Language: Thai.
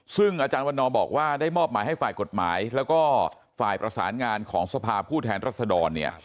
ซึ่งอาจารย์วันนอบอกว่าได้มอบหมายให้ฝ่ายกฎหมายแล้วก็ฝ่ายประสานงานของสภาผู้แทนรัศดรเนี่ย